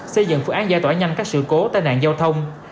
xây dựng phương án giải tỏa nhanh các sự cố tai nạn giao thông